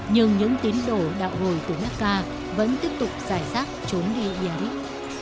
nhưng những tín đồ đạo hồi của mecca vẫn tiếp tục giải sát trốn đi yarib